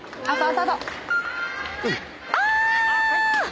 「あ！」